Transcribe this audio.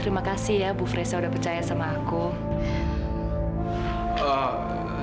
jika ada bisa tempat yang harus ko ko koin